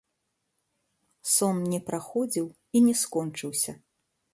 Сон не праходзіў і не скончыўся.